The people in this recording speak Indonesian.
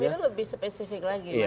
di ayam itu lebih spesifik lagi